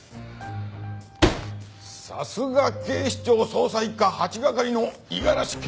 さすが警視庁捜査一課８係の五十嵐刑事！